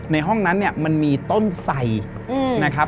ในห้องนั้นเนี่ยมันมีต้นไสอืม